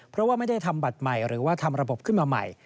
เพราะว่าไม่ได้ทำบัตรใหม่หรือว่าทำระบบขึ้นมาใหม่